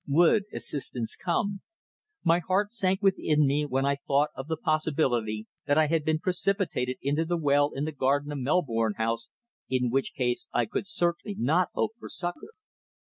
Would assistance come? My heart sank within me when I thought of the possibility that I had been precipitated into the well in the garden of Melbourne House, in which case I could certainly not hope for succour.